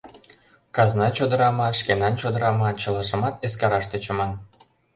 Казна чодыра ма, шкенан чодыра ма — чылажымат эскераш тӧчыман.